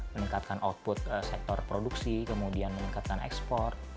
meningkatkan output sektor produksi kemudian meningkatkan ekspor